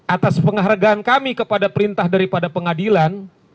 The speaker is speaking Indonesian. atas penghargaan kami kepada perintah daripada pengadilan